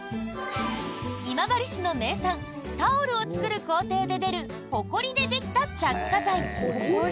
今治市の名産タオルを作る工程で出るほこりでできた着火剤。